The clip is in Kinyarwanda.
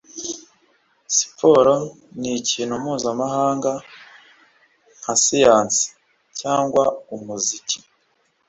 Sport nikintu mpuzamahanga, nka siyanse cyangwa umuziki.